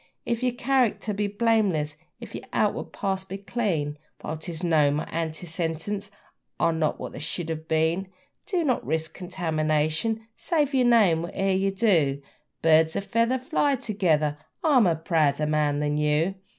If your character be blameless, if your outward past be clean, While 'tis known my antecedents are not what they should have been, Do not risk contamination, save your name whate'er you do 'Birds o' feather fly together': I'm a prouder bird than you!